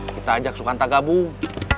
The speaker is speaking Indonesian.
kita ajak sukanta gabung